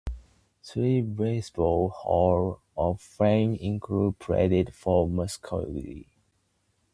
Three Baseball Hall of Fame inductees played for Muskogee.